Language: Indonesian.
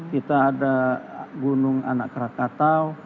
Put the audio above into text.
kita ada gunung anak krakatau